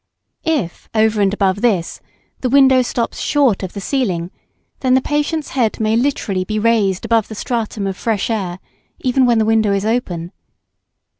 If, over and above this, the window stops short of the ceiling, then the patient's head may literally be raised above the stratum of fresh air, even when the window is open.